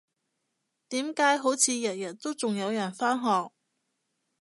點解好似日日都仲有人返學？